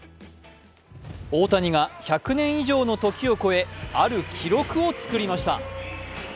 大谷が１００年以上の時を越えある記録を作りました。